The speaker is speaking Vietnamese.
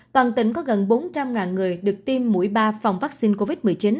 toàn tỉnh có gần bốn trăm linh người được tiêm mũi ba phòng vaccine covid một mươi chín